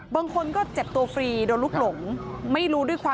ช่องบ้านต้องช่วยแจ้งเจ้าหน้าที่เพราะว่าโดนฟันแผลเวิกวะค่ะ